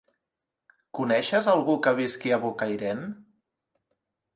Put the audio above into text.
Coneixes algú que visqui a Bocairent?